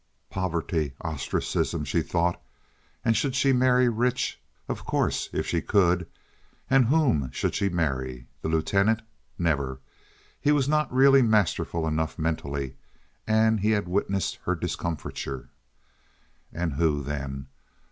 "Poverty, ostracism," she thought. And should she marry rich? Of course, if she could. And whom should she marry? The Lieutenant? Never. He was really not masterful enough mentally, and he had witnessed her discomfiture. And who, then?